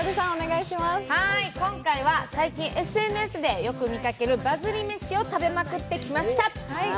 今回は最近ＳＮＳでよく見るバズりめしを食べまくってきました。